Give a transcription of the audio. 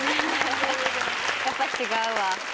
やっぱ違うわ。